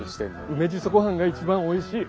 梅じそごはんが一番おいしい。